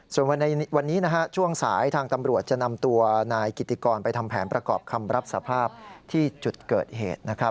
ส่วนวันนี้ช่วงสายทางตำรวจจะนำตัวนายกิติกรไปทำแผนประกอบคำรับสภาพที่จุดเกิดเหตุ